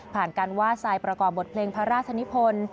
การวาดทรายประกอบบทเพลงพระราชนิพล